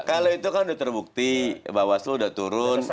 kalau itu kan udah terbukti bahwa sudah turun